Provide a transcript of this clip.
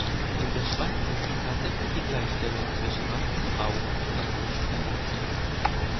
In der Schweiz ist die tatsächliche Gleichstellung zwischen Mann und Frau noch nicht erreicht.